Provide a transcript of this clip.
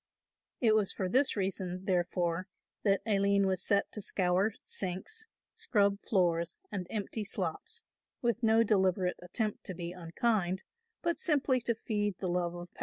It was for this reason therefore that Aline was set to scour sinks, scrub floors and empty slops, with no deliberate attempt to be unkind, but simply to feed the love of power.